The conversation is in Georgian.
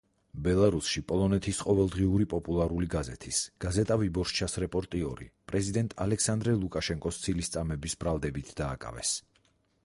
ბელარუსში პოლონეთის ყოველდღიური პოპულარული გაზეთის „გაზეტა ვიბორშჩას“ რეპორტიორი პრეზიდენტ ალექსანდრე ლუკაშენკოს ცილისწამების ბრალდებით დაკავეს.